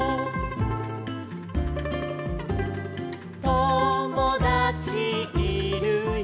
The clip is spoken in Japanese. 「ともだちいるよ」